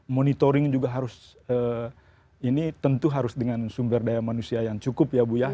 monitoring juga harus ini tentu harus dengan sumber daya manusia yang cukup ya bu ya